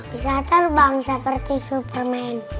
bisa terbang seperti superman